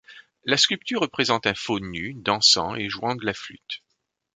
La sculpture représente un faune nu, dansant et jouant de la flûte.